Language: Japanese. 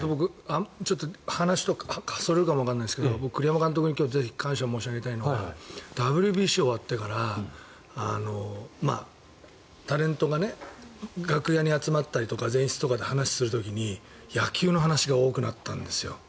ちょっと話とかそれるかもわからないんですけど僕、栗山監督に感謝を申し上げたいのはＷＢＣが終わってからタレントが楽屋に集まったりとか前室で話したりする時に野球の話が多くなったんですよ。